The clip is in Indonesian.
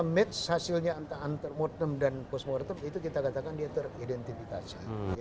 match hasilnya antemortem dan postmortem itu kita katakan dia teridentifikasi